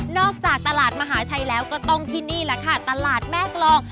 จากตลาดมหาชัยแล้วก็ต้องที่นี่แหละค่ะตลาดแม่กรอง